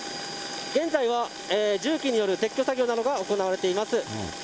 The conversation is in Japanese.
現在は重機による撤去作業などが行われています。